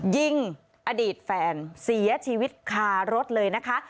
ยิงอดีตแฟนเสียชีวิตคารถเลยนะคะ